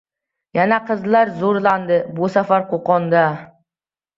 Yana qizlar zo‘rlandi. Bu safar Qo‘qonda!